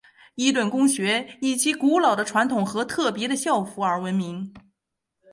伊顿公学以其古老的传统和特别的校服而闻名。